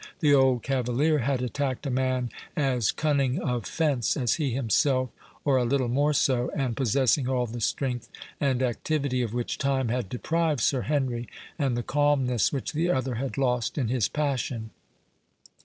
The old cavalier had attacked a man as cunning of fence as he himself, or a little more so, and possessing all the strength and activity of which time had deprived Sir Henry, and the calmness which the other had lost in his passion.